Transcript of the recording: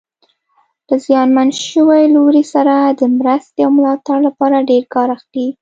له زیانمن شوي لوري سره د مرستې او ملاتړ لپاره ډېر کار اخلي.